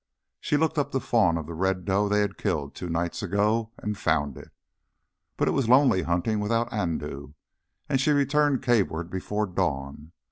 She looked up the fawn of the red doe they had killed two nights ago, and found it. But it was lonely hunting without Andoo, and she returned caveward before dawn.